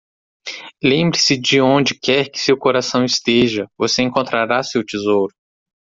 Lembre-se de que onde quer que seu coração esteja, você encontrará seu tesouro.